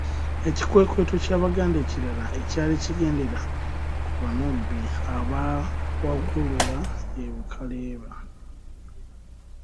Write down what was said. Ekikwekweto ky'Abaganda ekirala ekyali kigendera ku Banubbi abaawagulula e Bukaleeba.